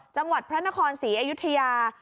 จังหวัดพระนครศรีอยุธยา